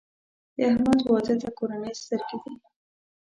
د احمد واده ته کورنۍ سترګې دي.